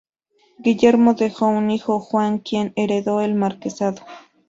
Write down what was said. Guillermo dejó un hijo Juan, quien heredó el marquesado.